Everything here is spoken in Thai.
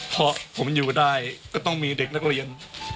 เพราะผมอยู่ได้ก็ต้องมีเด็กนักเรียน